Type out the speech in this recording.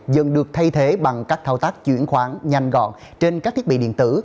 dần được thay thế bằng các thao tác chuyển khoản nhanh gọn trên các thiết bị điện tử